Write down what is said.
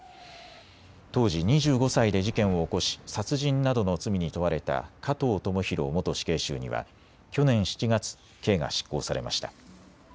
当時２５歳で事件を起こし殺人などの罪に問われた加藤智大元死刑囚には去年７月、刑が執行されました。